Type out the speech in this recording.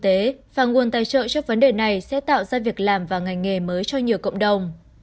thế và nguồn tài trợ cho vấn đề này sẽ tạo ra việc làm và ngành nghề mới cho nhiều cộng đồng